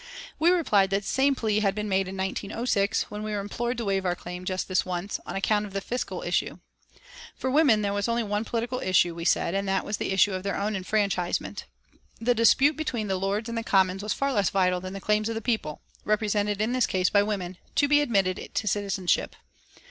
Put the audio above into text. We replied that the same plea had been made in 1906 when we were implored to waive our claim "just this once" on account of the fiscal issue. For women there was only one political issue, we said, and that was the issue of their own enfranchisement. The dispute between the Lords and the Commons was far less vital than the claims of the people represented in this case by women to be admitted to citizenship.